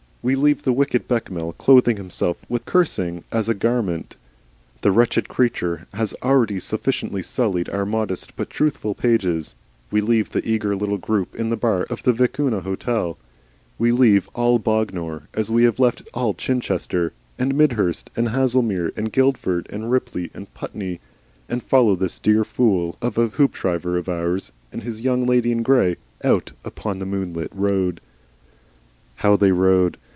We leave the wicked Bechamel clothing himself with cursing as with a garment, the wretched creature has already sufficiently sullied our modest but truthful pages, we leave the eager little group in the bar of the Vicuna Hotel, we leave all Bognor as we have left all Chichester and Midhurst and Haslemere and Guildford and Ripley and Putney, and follow this dear fool of a Hoopdriver of ours and his Young Lady in Grey out upon the moonlight road. How they rode!